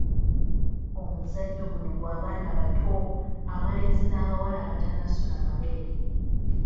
Omuzannyo guno gwa baana bato abalenzi n’abawala abatannasuna mabeere.